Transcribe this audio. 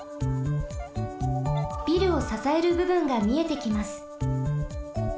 ビルをささえるぶぶんがみえてきます。